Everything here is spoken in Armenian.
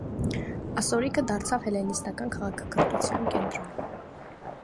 Ասորիքը դարձավ հելլենիստական քաղաքակրթության կենտրոն։